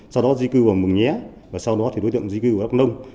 sau đó di cư vào mường nghé sau đó đối tượng di cư vào đắk lông